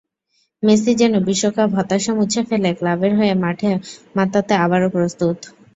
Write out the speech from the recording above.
Messi যেন বিশ্বকাপ-হতাশা মুছে ফেলে ক্লাবের হয়ে মাঠ মাতাতে আবারও প্রস্তুত।